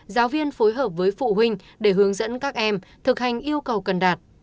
giáo viên phối hợp với phụ huynh để hướng dẫn các em thực hành yêu cầu cần đạt